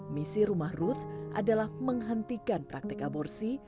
misi rumah ruth adalah menghentikan praktek aborsi